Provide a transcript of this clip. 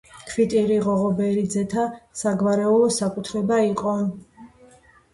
ქვიტირი ღოღობერიძეთა საგვარეულო საკუთრება იყო.